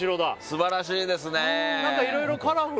素晴らしいですね。